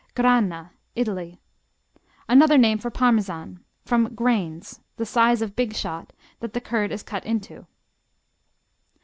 Grana Italy Another name for Parmesan. From "grains", the size of big shot, that the curd is cut into.